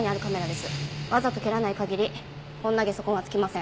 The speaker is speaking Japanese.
わざと蹴らない限りこんな下足痕はつきません。